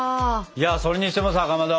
それにしてもさかまど。